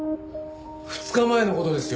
２日前の事ですよ？